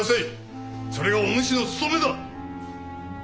それがお主の務めだ！